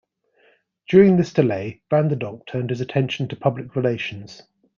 During this delay, van der Donck turned his attention to public relations.